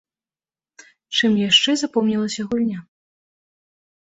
Чым яшчэ запомнілася гульня?